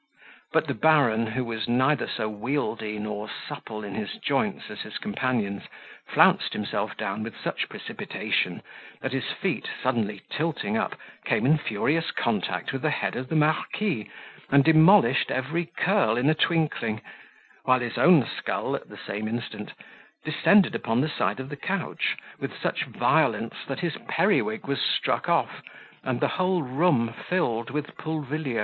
But the baron, who was neither so wieldy nor supple in his joints as his companions, flounced himself down with such precipitation, that his feet, suddenly tilting up, came in furious contact with the head of the marquis, and demolished every curl in a twinkling, while his own skull, at the same instant, descended upon the side of his couch, with such violence, that his periwig was struck off, and the whole room filled with pulvilio.